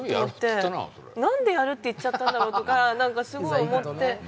なんでやるって言っちゃったんだろうとかすごい思って。